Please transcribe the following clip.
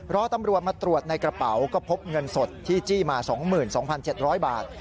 รอตำรวจมาตรวจในกระเป๋าก็พบเงินสดที่จี้มา๒๒๗๐๐บาท